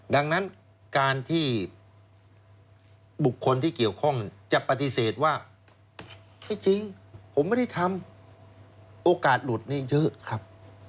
ดังนั้นการที่บุคคลที่เกี่ยวข้องจะปฏิเสธว่าไม่จริงผมไม่ได้ทำโอกาสหลุดนี่เยอะครับ